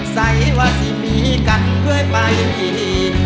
ใส่ว่าสิมีกันด้วยไปที่นี่